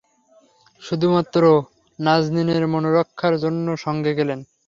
শুধুমাত্র নাজনীনের মনরক্ষার জন্যে সঙ্গে গেলেন।